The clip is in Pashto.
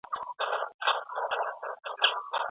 د ښوونکو د معاشونو ستونزه څنګه حل کېږي؟